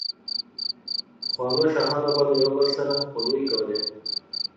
پخوانو شاهانو به له يو بل سره خپلوۍ کولې،